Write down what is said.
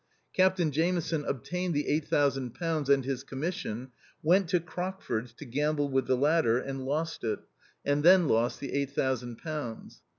Captain Jameson obtained the £8000 and his commission, went to Crockford's to gamble with the latter, and lost it, and then lost the eight thousand pounds.